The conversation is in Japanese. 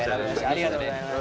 ありがとうございます。